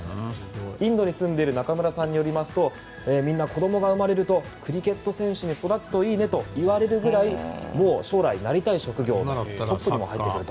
インドに住んでいる中村さんによりますとみんな、子どもが生まれるとクリケット選手に育つといいねと言われるぐらいもう将来なりたい職業トップにも入ってくると。